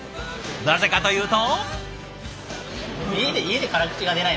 なぜかというと。